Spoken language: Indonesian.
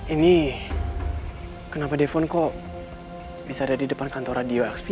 ini kenapa dphone kok bisa ada di depan kantor radio xp